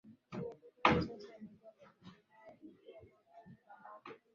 na kinachofanyika kwa sasa ni kwa majeshi ya nato kutoa mafunzo kabambe